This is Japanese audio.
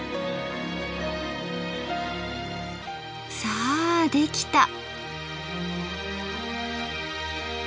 さあできた！